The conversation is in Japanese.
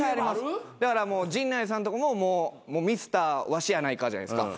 陣内さんとかももうミスターワシやないかじゃないですか。